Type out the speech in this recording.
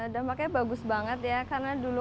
dampaknya bagus banget ya karena dulu